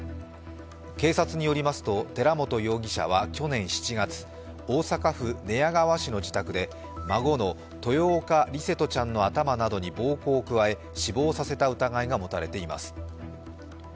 警察によりますと寺本容疑者は去年７月、大阪府寝屋川市の自宅で孫の豊岡琉聖翔ちゃんの頭などに暴行を加え死亡させた疑いが持たれています。